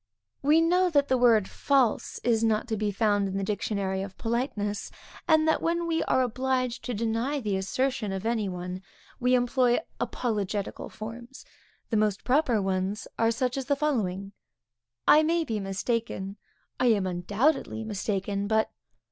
We know that the word false is not to be found in the dictionary of politeness, and that when we are obliged to deny the assertion of any one, we employ apologetical forms. The most proper ones are such as the following: I may be mistaken, _I am undoubtedly mistaken, but